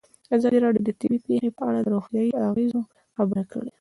ازادي راډیو د طبیعي پېښې په اړه د روغتیایي اغېزو خبره کړې.